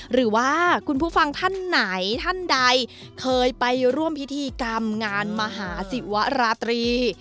หรือว่าคุณผู้ฟังท่านไหนท่านใดเคยไปร่วมพิธีกรรมงานมหาศิวราตรี